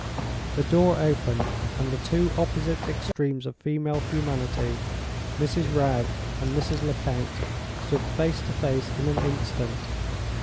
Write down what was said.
The door opened, and the two opposite extremes of female humanity, Mrs. Wragge and Mrs. Lecount, stood face to face in an instant!